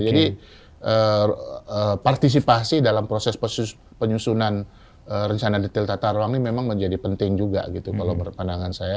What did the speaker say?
jadi partisipasi dalam proses penyusunan rencana detail tata ruang ini memang menjadi penting juga gitu kalau pandangan saya